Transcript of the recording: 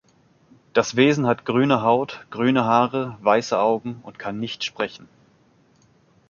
Das Wesen hat grüne Haut, grüne Haare, weiße Augen und kann nicht sprechen.